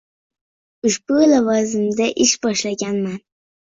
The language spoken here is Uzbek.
Ushbu lavozimda ish boshlaganman